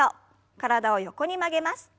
体を横に曲げます。